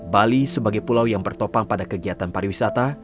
bali sebagai pulau yang bertopang pada kegiatan pariwisata